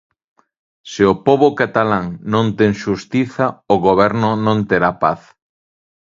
Se o pobo catalán non ten xustiza o goberno non terá paz.